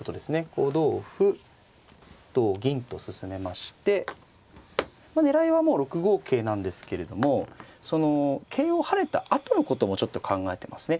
同歩同銀と進めまして狙いはもう６五桂なんですけれどもその桂を跳ねたあとのこともちょっと考えてますね。